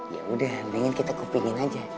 ya udah mendingan kita kepingin aja